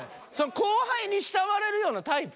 後輩に慕われるようなタイプ？